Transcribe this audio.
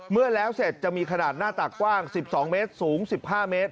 เมื่อแล้วเสร็จจะมีขนาดหน้าตากกว้าง๑๒เมตรสูง๑๕เมตร